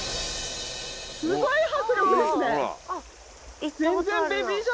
すごい迫力ですね！